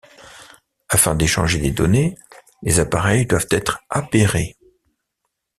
Afin d'échanger des données, les appareils doivent être appairés.